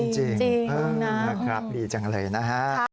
จริงดีจังเลยนะฮะ